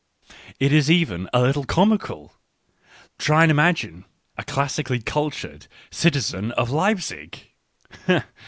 It is even a little comical — try and imagine a " classic ally cultured " citizen of Leipzig